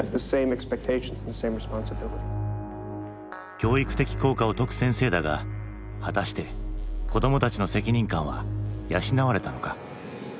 教育的効果を説く先生だが果たして子どもたちの責任感は養われたのか？